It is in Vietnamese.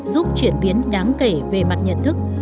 giúp chuyển biến đáng kể về mặt nhận thức